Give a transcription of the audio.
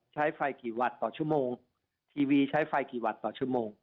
ใช้ไฟกี่วันต่อชั่วโมงทีวีใช้ไฟกี่วันต่อชั่วโมง